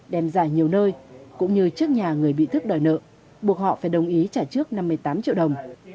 đem dài nhiều nơi cũng như trước nhà người bị thức đòi nợ buộc họ phải đồng ý trả trước năm mươi tám triệu đồng